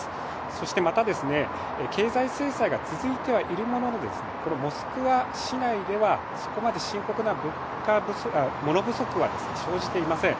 そしてまた、経済制裁が続いてはいるものの、モスクワ市内では、そこまで深刻な物不足は生じていません。